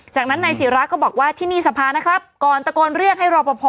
จากนั้นนายศิราก็บอกว่าที่นี่สภานะครับก่อนตะโกนเรียกให้รอปภ